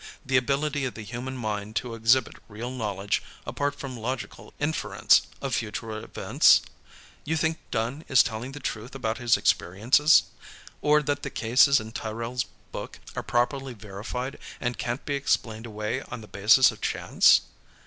The ability of the human mind to exhibit real knowledge, apart from logical inference, of future events? You think Dunne is telling the truth about his experiences? Or that the cases in Tyrrell's book are properly verified, and can't be explained away on the basis of chance?"